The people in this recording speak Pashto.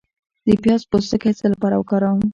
د پیاز پوستکی د څه لپاره وکاروم؟